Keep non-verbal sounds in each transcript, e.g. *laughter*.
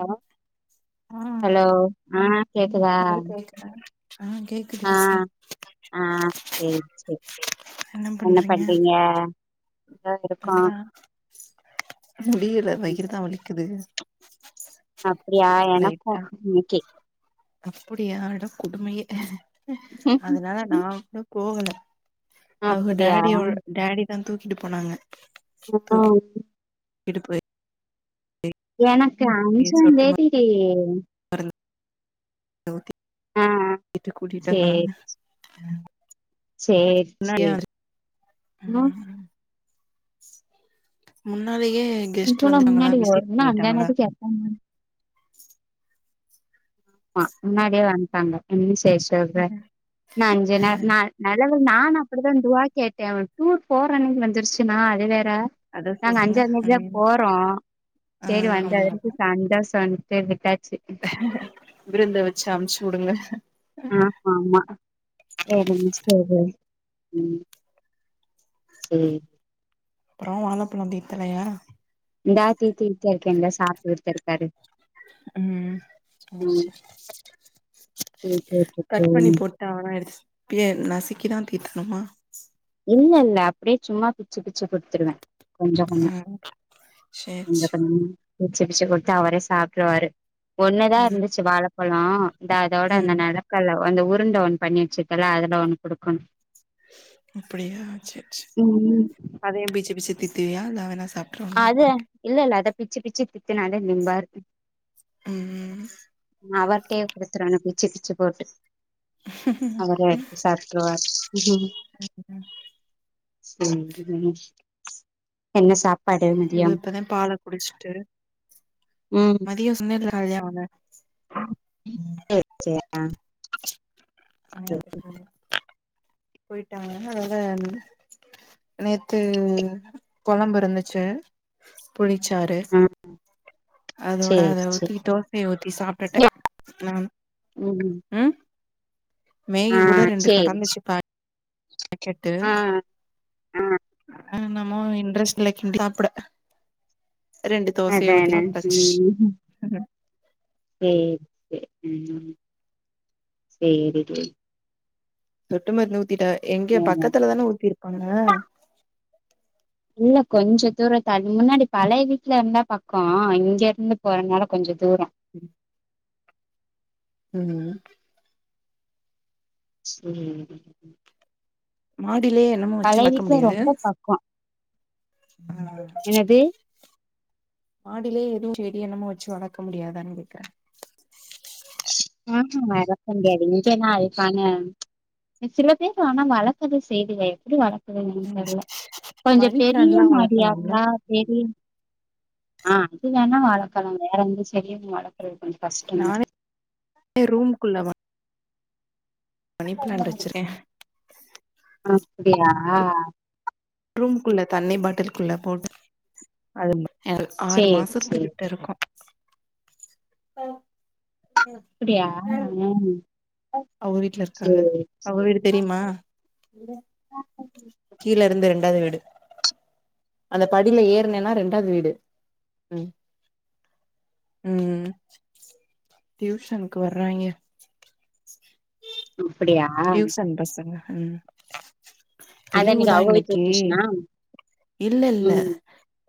அ ஆ ஹலோ ஆ கேட்குதா ஹலோ கேக்குதா ஆ கேட்குது பிஸி ஆ சேர் சேர் என்ன பண்றீங்க *unintelligible* இருக்கோ நல்லா முடியல வயிருதா வலிக்குது அப்படியா எனக்கு இன்னைக்கே அப்புடியா அட கொடுமையே அதனால நானு போகல அவங்க அப்டியா டேடியோட டேடி தா தூக்கிட்டு போனாங்க *inaudible* இடுப்பு எனக்கு அஞ்சா தேதி டி *inaudible* ஆ வீட்டுக் கூட்டீட்டு வந்தாங்க ம் சேர் சேர் ம முன்னாலயே இ சோ நா முன்னாடி வர்னா அஞ்சாந் தேதி கேப்பாங்க ஆ முன்னாடியே வன்ட்டாங்க என்ன செய்ய சொல்ற நா அஞ்சு நா நா நல்லது நானு அப்படிதா துவா கேட்ட அவ டூர் போற அன்னிக்கி வந்துருச் சுனா அது வேற அத நாங்க சொல்லுங்க அஞ்சா தேதி தா ம் போறோ ஆ சேரி ஆமா வந்தவரிக்கு சந்தோஷன் சேரி விட்டாச்சு விருந்து வெச்சு அம்ச்சி உடுங்க ஆம்மாம்மா என்னங் *unintelligible* ம் சேர் அப்பறோ வாழப்பழோ டீப் தலையா இந்தா தீத்தி *unintelligible* இருக்க இந்தா சாப்ட்டுட்டு தா இருக்காரு ம் ம் அது *inaudible* தீத்திவுட்டுட்டு கட் பண்ணி போட் டாங்ன்னா எடுத் ஏன் நசிக்கி தா தீட்டணுமா இல்லல்ல அப்படியே சும்மா பிச்சு பிச்சு குத்துருவே செஞ்ச உன்ன ம் சேர் *inaudible* சே பிச்சு பிச்சு குடுத்தா அவரே சாப்ட்ருவாரு ஒன்னுதா ம் இருந்துச்சு வாழப்பழோ இந்தா இதோட இந்த ம் நெலக்கல்ல வந்த உருண்ட ஒண் பண்ணி வெச்சுர்க்கல்ல அதுல ஒண்ணு குடுக்கணு அப்படியா சேர் சே ம் அதையு பிச்சு பிச்சு தித்துவியா நா வேண்ணா சாப் அத இல்ல இல்ல அத பிச்சி பிச்சி தி தின்னாலே நிம்பாரு ம் ம் ம் அவர்ட்டயே குடுத்துடனு பிச்சு பிச்சு போட்டு அவரே எடுத்து சாப்டுருவாரு ம் சேரி கண்ணு என்ன சாப் இவு இப்பதா பாலக் குடிஸ்ட்டு ம் *unintelligible* சேரி சேரி ஆ ஆயா *inaudible* போயிட்டாங்க அதனால என்னது நேத்து கொழம்பு இருந்துச்சு புளிச்சாரு அதோட சேரி அத ஊத்தி சேரி தோசைய ஊத்தி சாப்டுட்ட நானு ம் ஆ மேகி கூட சேரி ஆ சேரி சேரி ம் ஆ ரெண்டு சேரி கெடந்துச்சி பா பாக்கெட்டு ஆ ஆ ஆ என்னமோ இன்ட்ரெஸ்ட் இல்ல கிண்டி சாப்புட அதானே சாப்ட்டாச்சு ம் சேரி சேரி ம் ஆமா சேரி கே சொட்டு மருந்து ஊத்திட்ட எங்க வேற பக்கத்துலதான ஊத்திருப்பாங்க இல்ல கொஞ்ச தூரோ தள் முன்னாடி பழைய வீட்ல இருந்தா பக்கோ இங்க இருந்து போறனால கொஞ்ச தூரோ ம் ம் சேரிங்க மாடிலேயே என்னமு வெச்சு வளக்க வீட்ல முடியாது ரொம்ப பக்கோ என்னது ஆ மாடிலேயே எதுவு செடி என்னம்மோ வெச்சு வளக்க முடியாதான்னு கேக்கறே ம்ஹும் வளக்க முடியாது இங்கல்லா அதுக்கான அ சில பேரு ஆனா வளக்கறது செய்துக எப்டி வளக் கறாங்கன்னு ம் தெர்ல கொஞ்சோ மணி பிளான்ட்லா பெரிய மாடியா வளக்கலாம்ல இருந்தா செடின் ஆ அது வேண்ணா வளக்கலா வேற எந்த செடியு வளக் அது கொஞ்ச கஷ்டந்தா *unintelligible* ரூம்க்குள்ளவா மணி பிளான்ட் வச்சுருக்கே அப்டியா ரூம்க்குள்ள தண்ணி பாட்டில்க்குள்ள போட்டு அது ஒரு ஆறு சேரி சேரி மாசத்துக்கிட்ட இருக்கு அப்பிடியா ம் அவ வீட்ல இருக்காக அவ வீடு தெரியுமா கீழ இருந்து ரெண்டாவ்து வீடு அந்த படில ஏறுனேன்னா ரெண்டாவ்து வீடு ம் ம் ம் டியூஷனுக்கு வர்ராய்ங்க அப்பிடியா டியூசன் பசங்க ம் அத இன்னைக்கு லீவுதா அவுக வீட்ல இன்னைக்கி விட்டுச்சுனா இல்ல இல்ல ம்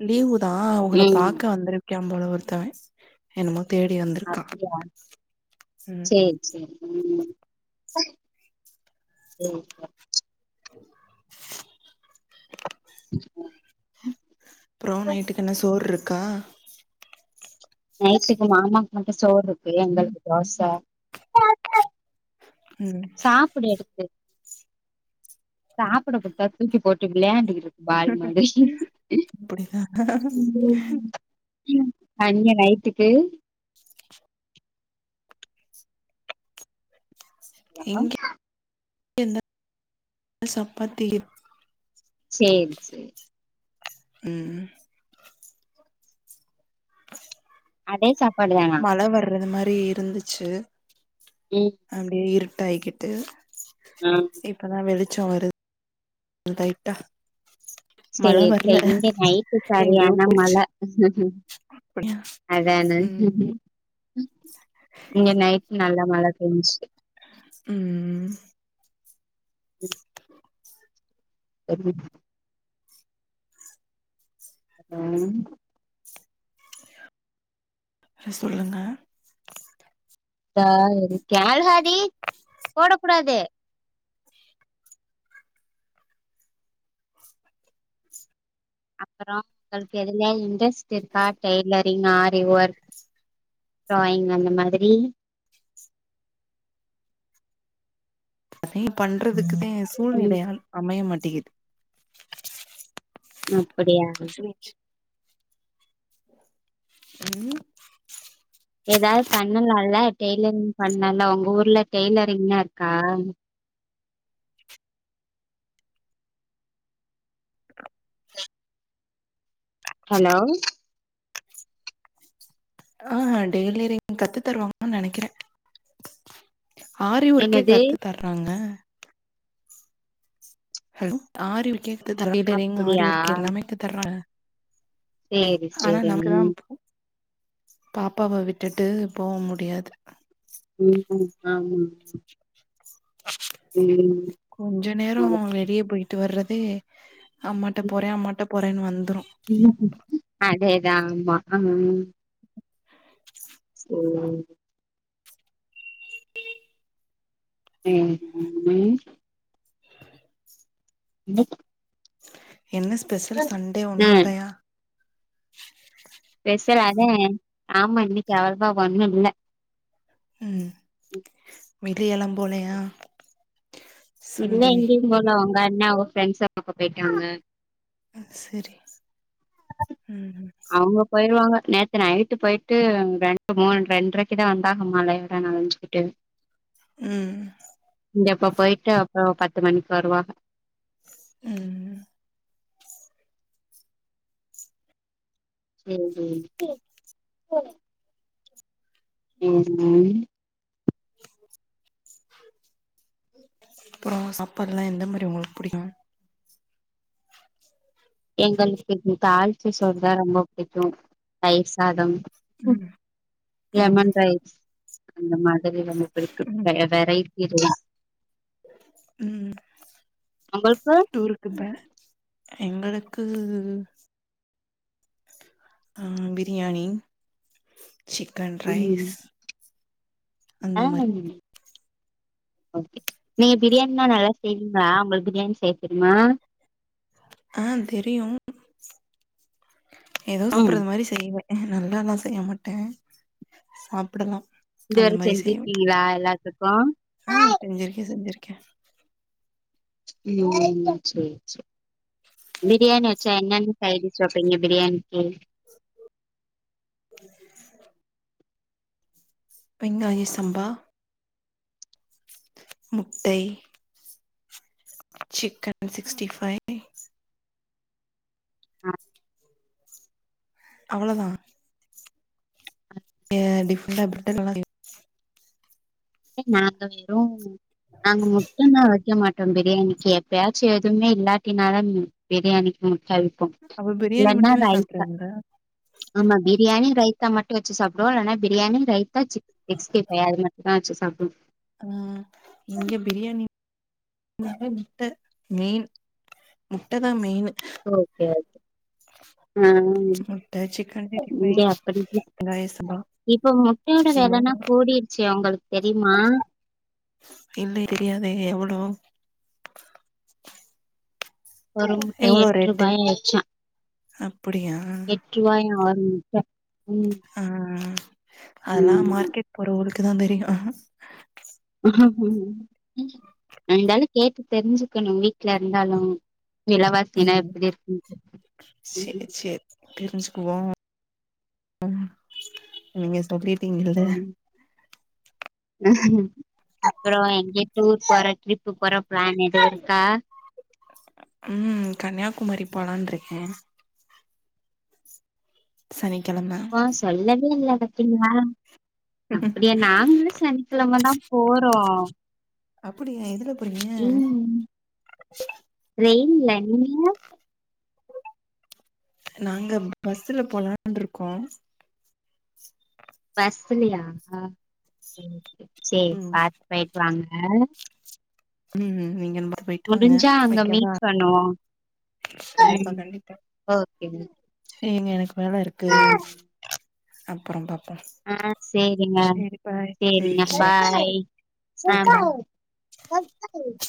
லீவுதா அவுங்கள ம் பாக்க வந்துரு ய்க்காம்போல ஒருத்தவ என்னமோ தேடி வந் அப்டியா சேரி சேரி ம் சேரிப்பா அப்றோ நைட்டுக்கு எல்லா சோற்ருக்கா நைட்டுக்கு மாமாக்கு மட்டு சோறு இருக்கு எங்களுக்கு தோச ம் சாப்புடு எடுத்து சாப்பட குடுத்தா தூக்கி போட்டு விளையாண்டுக்கிட்டுரு பால் மாதிரி அப்டிதா ம் அங்க நைட்டுக்கு இங்க என்ன சப்பாத்தி சேரி சேர் உம் அதே சாப்பாடுதா மழ வர்றது மாறி இருந்துச்சு ம் அப்டியே இருட்டாய்கிட்டு ஆ இப்பதா வெளிச்சோ வருது இதோ டைட்டா சேர் சேர் இங்க நைட்டு எங்கயோ சரியான மழ போய்ச்சு அதான ம் ம் இங்க நைட்டு நல்ல மழ பெயின்ச்சி உம் அருவி அ ஆ சேர் சொல்லுங்க த கேள் ஆதி போடக் கூடாது அப்பறோ உங்களுக்கு எதுலயா இன்ட்ரெஸ்ட் இருக்கா டெய்லரிங் ஆரி ஒர்க் டிராயிங் அந்த மாதிரி அதையு பண்றதுக்குதா சூழ்நிலை ம் அ அமைய மாட்டிங்கிது நொப்படியா உம் ஏதாவது பண்ணலால்ல டெய்லரிங் பண்ணலால்ல உங்க ஊர்ல டெய்லரிங்லா இருக்கா ஹலோ ஆ டெய்லரிங் கத்து தருவாங்கன்னு நெனைக்கிறே ஆரி வொர்க்கே என்னது கத்து தராங்க hello aari work tailoring aari அப்படியா வொர்க் எல்லாமே கத்து தராங்க சேரி ஆனா சேரிங்க நமக்கு தா போ பாப்பாவ விட்டுட்டு போ முடியாது உம் உம் ஆமா உம் கொஞ்ச நேரோ வெளிய போயிட்டு வர்றதே அம்மாட்ட போறே அம்மாட்ட போறேன்னு வந்துரும் *unintelligible* அதேதா ஆமா அ *inaudible* சேரி *unintelligible* *unintelligible* என்ன ஸ்பெஷல் சண்டே ஒண்ணு இல்லையா ஸ்பெஷல் அதன் ஆமா இன்னைக்கு அவ்ளவா ஒண்ணு இல்ல ம் வெளியலாம் போலயா இல்ல எங்கேயும் போல ஒங்க அண்ணா அவங்க ப்ரெண்ட்ஸ் பாக்க போயிட்டாங்க ஆ சரி ம் ம் அவங்க போயிருவாங்க நேத்து நைட்டு போயிட்டு ரெண்டு மூணு ரெண்டரைக்குதா வந்தாங்க மழையோட நனஞ்சுக்கிட்டு ம் இங்க இப்ப போயிட்டு அப்றோ பத்து மணிக்கு வருவாக உம் சேரி ஏங்க அப்பறோ சாப்பாட்ல்லா எந்த மாறி உங்களுக்கு புடிக்கும் எங்களுக்கு தாள்ச்ச சோறுதா ரொம்ப புடிக்கும் தயிர் சாதம் ப்பு ம் ம் லெமன் ரைஸ் அந்த மாதிரி ரொம்ப பிடிக்கும் வெரைட்டி ரைஸ் உம் உங்களுக்கு டூருக் க்குபே எங்களுக்கு ஆ பிரியாணி சிக்கன் ம் ரைஸ் அந்த ஆ மாரி ஓகே நீங்க பிரியாணில்லா நல்லா செய்வீங்களா உங்களுக்கு பிரியாணி செய்ய தெரியுமா ஆ தெரியும் ஏதோ ம் சாப்டறது மாரி செய்வ நல்லால்லா செய்ய மாட்டே சாப்டலா இதுவர செஞ்சிருக்கீங்களா எல்லாத்துக்கு ஆ செஞ்சிருக்கே செஞ்சிருக்கே ம் சரி சரி பிரியாணி வச்சா என்னென்ன சைடிஸ் வைப்பீங்க பிரியாணிக்கு *inaudible* வெங்காய சம்பா முட்டை சிக்கன் சிக்ஸ்டி ஃபைவ் ஆ அவ்ளதா ஏ டிஃபண்ட *inaudible* எ நாங்க வெறு நாங்க முட்டனா வைக்க மாட்டோ பிரியாணிகு எப்பயாச்சு எதுவுமே இல்லாட்டினால பிரியாணிக்கு முட்ட அவிப் போ அப்ப பிரியாணி இல்லட்னா மட்டுமே ரைத்தா சாப்ட்ருவீங்களா ஆமா பிரியாணி ரைத்தா மட்டு வச்சு சாப்டுவோ இல்லனா பிரியாணி ரைத்தா சிக் *inaudible* அது மட்டு அவிச்சு சாப்டுவோ ஆ இங்க பிரியாணி இங்க முட்ட மெயின் முட்ட தா மெயின் ஓகே ஓகே ஆ முட்ட சிக்கன் சிக்ஸ்டி இங்க ஃபைவ் அப்படிதா வெங்காய சம்பா இப்ப முட்டையோட இது விலன்னா மூணு கூடிருச்சே உங்களுக்கு தெரியுமா இல்ல தெரியாதே எவளோ ஒரு முட்ட எவ்ளோ ரேட்டு எட்ரூபாய ஆச்சா அப்டியா எட்ரூபாய ஒரு முட்ட ம் ஆ அதா மார்கெட் போறவகளுக்கு தா தெரியு இருந்தாலு கேட்டு தெரிஞ்சுகணு வீட்ல இருந்தாலு விலவாசி என்ன ம் இப்டி இருக்கு ம் தெரிஞ்சுகுவோ *inaudible* நீங்க சொல்லிட்டீங்கல்ல ஆ ஹா அப்புறோ எங்கியு டூர் போற ட்ரிப்பு போற பிளேன் எது இருக்கா ம் கன்னியாகுமரி போலான்ட்ருக்க சனிக்கெழம ஆ சொல்லவே இல்ல பாத்தீங்களா அப்டியா நாங்களு சனிக்கெழமதாம் போறோ அப்புடியா எதுலப் ம் ட்ரெயின்ல நீங்க நாங்க பஸ்ல போலான்ட்ருக்கோ பஸ்லயா ஆ ஓகே சரி பாத் போயிட்டு வாங்க ம் நீங்கல்லா முடுஞ்சா அங்க மீட் பண்ணுவோ கண்டிப்பா ம் கண்டிப்பா ஓகே இங்க எனக்கு வேல இருக்கு அப்புறம் பாப்போ ஆ சேரிங்க சரிப்பா ம் சேரிங்க சரி பாய் அ டாட்டா *inaudible*